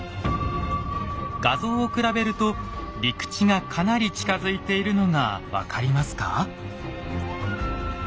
画像を比べると陸地がかなり近づいているのが分かりますか？